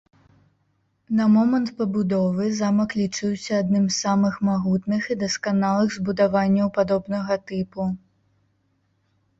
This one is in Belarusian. На момант пабудовы замак лічыўся адным з самых магутных і дасканалых збудаванняў падобнага тыпу.